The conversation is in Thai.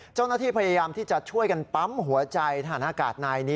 เจ้าหน้าที่พยายามที่จะช่วยกันปั๊มหัวใจทหารอากาศนายนี้